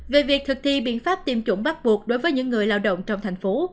về việc thực thi biện pháp tiêm chủng bắt buộc đối với những người lao động trong thành phố